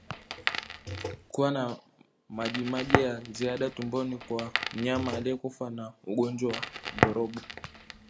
Kuwa na majimaji ya ziada tumboni kwa mnyama aliyekufa na ugonjwa wa ndorobo